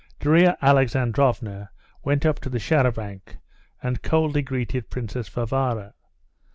Darya Alexandrovna went up to the char à banc and coldly greeted Princess Varvara.